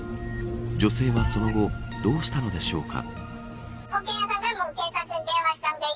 女性はその後どうしたのでしょうか。